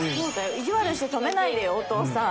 意地悪して止めないでよお父さん。